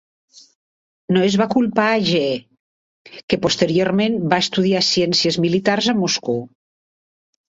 No es va culpar a Ye, que posteriorment va estudiar ciències militars a Moscou.